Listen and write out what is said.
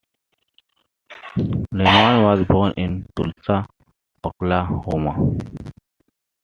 Lehman was born in Tulsa, Oklahoma.